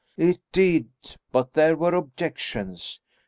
"It did, but there were objections.